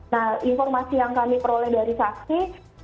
nah informasi yang kami peroleh dari saksi